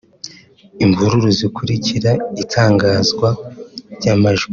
imvururu zikurikira itangazwa ry’amajwi